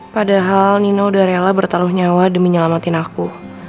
padahal nino udah rela bertaluh nyawa demi nyelamatin aku